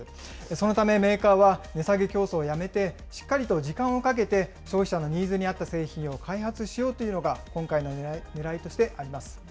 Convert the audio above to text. そのためメーカーは、値下げ競争をやめて、しっかりと時間をかけて、消費者のニーズに合った製品を開発しようというのが、今回のねらいとしてあります。